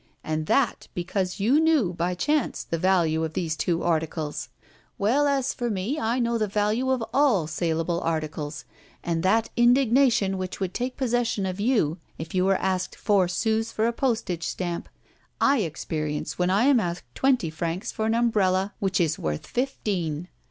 And that because you knew, by chance, the value of these two articles. Well, as for me, I know the value of all salable articles; and that indignation which would take possession of you, if you were asked four sous for a postage stamp, I experience when I am asked twenty francs for an umbrella which is worth fifteen!